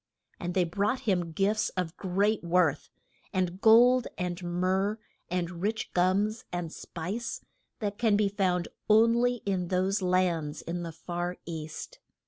And they brought him gifts of great worth, and gold and myrrh and rich gums and spice that can be found on ly in those lands in the far East.